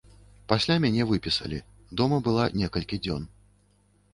Пасля мяне выпісалі, дома была некалькі дзён.